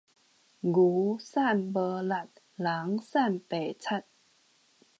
牛瘦無力，人瘦白賊